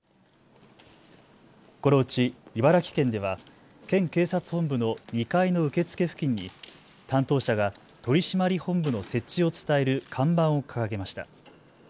このうち茨城県では県警察本部の２階の受付付近に担当者が取締本部の設置を伝える看板を掲げました。